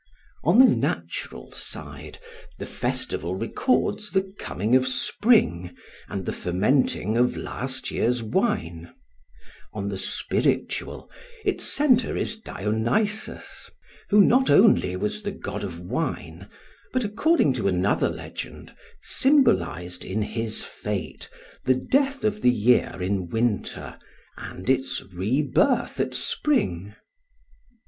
On the natural side the festival records the coming of spring and the fermenting of last year's wine; on the spiritual, its centre is Dionysus, who not only was the god of wine, but, according to another legend, symbolised in his fate the death of the year in winter and its rebirth at spring.